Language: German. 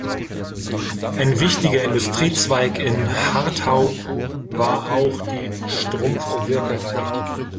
Ein wichtiger Industriezweig in Harthau war auch die Strumpfwirkerei.